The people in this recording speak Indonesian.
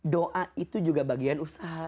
doa itu juga bagian usaha